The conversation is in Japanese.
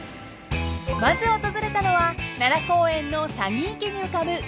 ［まず訪れたのは奈良公園の鷺池に浮かぶ浮見堂］